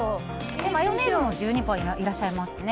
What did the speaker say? マヨネーズも１２％いらっしゃいますね。